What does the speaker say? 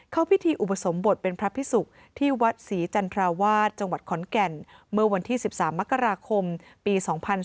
เข้าพิธีอุปสมบทเป็นพระพิสุกที่วัดศรีจันทราวาสจังหวัดขอนแก่นเมื่อวันที่๑๓มกราคมปี๒๔